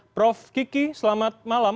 prof kiki selamat malam